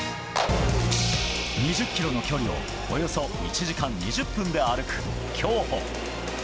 ２０ｋｍの距離をおよそ１時間２０分で歩く競歩。